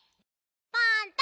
パンタ！